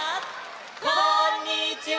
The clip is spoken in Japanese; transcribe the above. こんにちは！